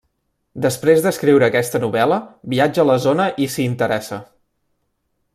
Després d'escriure aquesta novel·la viatja a la zona i s'hi interessa.